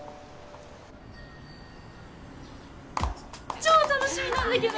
超楽しみなんだけど。